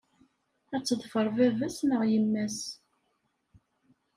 Ad teḍfer baba-s neɣ yemma-s.